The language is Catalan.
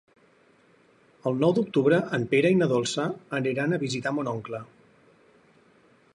El nou d'octubre en Pere i na Dolça aniran a visitar mon oncle.